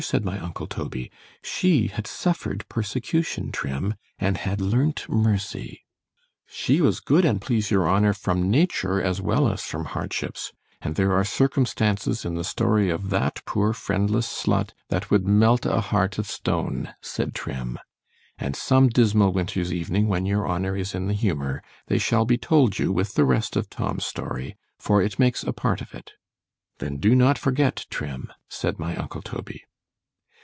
said my uncle Toby—she had suffered persecution, Trim, and had learnt mercy—— ——She was good, an' please your honour, from nature, as well as from hardships; and there are circumstances in the story of that poor friendless slut, that would melt a heart of stone, said Trim; and some dismal winter's evening, when your honour is in the humour, they shall be told you with the rest of Tom's story, for it makes a part of it—— Then do not forget, Trim, said my uncle _Toby.